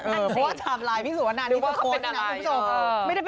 เพราะว่าทำไลน์พี่สุวนั่น